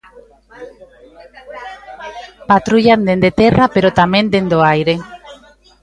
Patrullan dende terra pero tamén dende o aire.